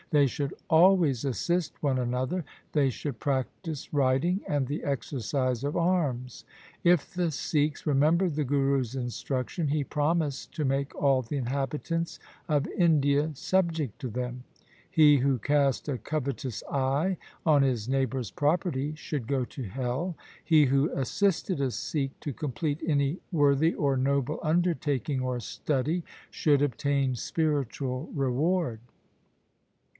They should always assist one another, they should practise riding and the exercise of arms. If the Sikhs remembered the Guru's instruction, he promised to make all the inhabitants of India sub ject to them. He who cast a covetous eye on his neighbour's property should go to hell. He who assisted a Sikh to complete any worthy or noble undertaking or study, should obtain spiritual reward.